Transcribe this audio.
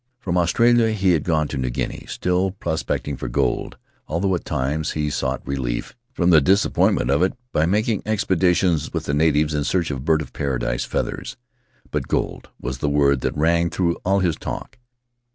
From Australia he had gone to New Guinea, still pros pecting for gold, although at times he sought relief from the disappointment of it by making expeditions with the natives in search of bird of paradise feathers. But "gold" was the word that rang through all his talk.